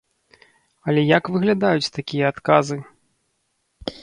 Але як выглядаюць такія адказы?